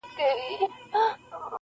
• پر مزار مي زنګېدلی بیرغ غواړم -